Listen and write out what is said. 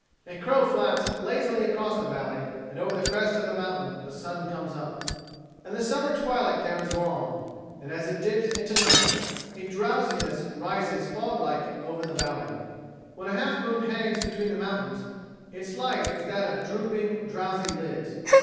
A crow flaps lazily across the valley, and over the crest of the mountain the sun comes up. And the summer twilight there is long, and as it dips into night a drowsiness rises fog like over the valley. When a half moon hangs between the mountains its light is that of drooping drowsy lids.